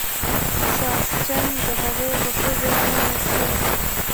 ساسچن د هغې په پوزه نښتل.